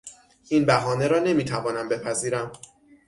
این بهانه را نمیتوانم بپذیرم.